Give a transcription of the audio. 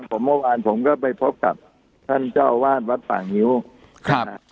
ผมเมื่อวานผมก็ไปพบกับท่านเจ้าอาวาสวัดป่างิ้วครับนะ